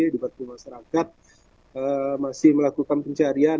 dibantu masyarakat masih melakukan pencarian